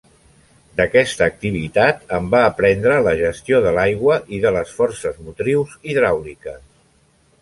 D'aquesta activitat en va aprendre la gestió de l'aigua i de les forces motrius hidràuliques.